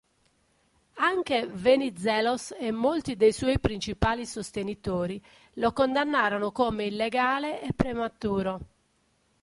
Anche Venizelos e molti dei suoi principali sostenitori lo condannarono come illegale e prematuro.